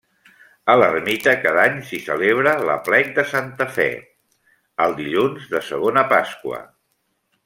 A l'ermita cada any s'hi celebra l'Aplec de Santa Fe, el dilluns de segona Pasqua.